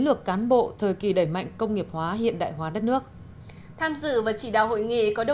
lược cán bộ thời kỳ đẩy mạnh công nghiệp hóa hiện đại hóa đất nước tham dự và chỉ đạo hội nghị có